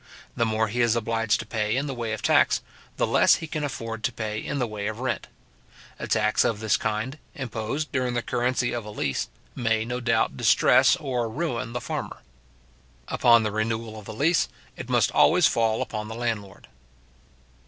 The more he is obliged to pay in the way of tax, the less he can afford to pay in the way of rent. A tax of this kind, imposed during the currency of a lease, may, no doubt, distress or ruin the farmer. Upon the renewal of the lease, it must always fall upon the landlord.